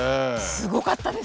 すごかったですね。